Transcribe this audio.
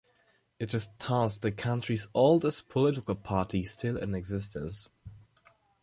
It is thus the country's oldest political party still in existence.